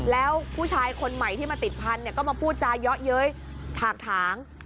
แล้วผู้ชายคนใหม่ที่มาติดพันธุ์ก็มาพูดจาเยาะเย้ยถากถาง